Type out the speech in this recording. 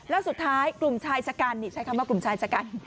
แล้วสุดท้ายกลุ่มชายชะกันนี่ใช้คำว่ากลุ่มชายชะกัน